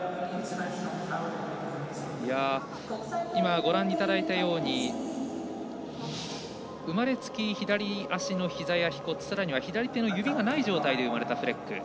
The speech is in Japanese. ご覧いただいたように生まれつき左足のひざさらには左手の指がない状態で生まれたフレック。